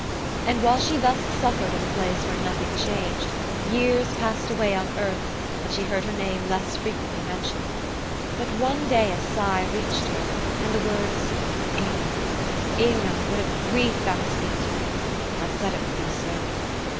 And while she thus suffered in a place where nothing changed, years passed away on earth, and she heard her name less frequently mentioned. But one day a sigh reached her ear, and the words, "Inge! Inge! what a grief thou hast been to me! I said it would be so."